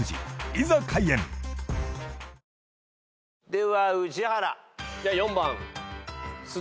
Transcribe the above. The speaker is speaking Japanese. では宇治原。